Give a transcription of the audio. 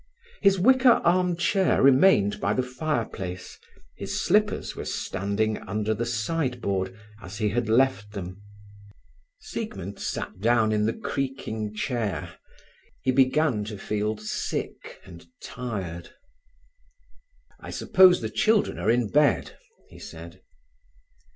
His wicker arm chair remained by the fireplace; his slippers were standing under the sideboard, as he had left them. Siegmund sat down in the creaking chair; he began to feel sick and tired. "I suppose the children are in bed," he said.